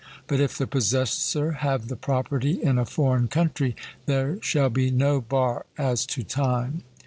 But if the possessor have the property in a foreign country, there shall be no bar as to time.